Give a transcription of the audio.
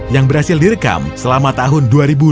yang berhasil direkam selama tahun dua ribu dua puluh